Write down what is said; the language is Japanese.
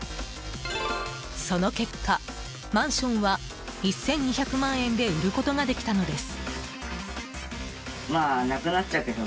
その結果、マンションは１２００万円で売ることができたのです。